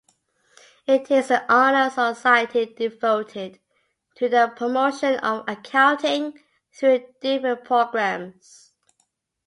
It is an honor society devoted to the promotion of accounting through different programs.